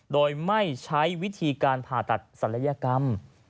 โดยไม่ใช้วิธีการผ่าตัดศัลยกรรม